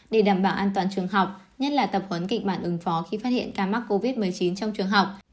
để đảm bảo an toàn trường học nhất là tập huấn kịch bản ứng phó khi phát hiện ca mắc covid một mươi chín trong trường học